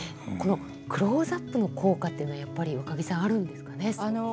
このクローズアップの効果っていうのはやっぱりわかぎさんあるんですかね。